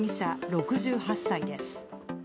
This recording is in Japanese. ６８歳です。